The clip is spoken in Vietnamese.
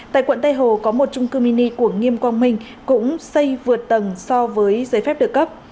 tại quận tây hồ có một trung cư mini của nghiêm quang minh cũng xây vượt tầng so với giấy phép được cấp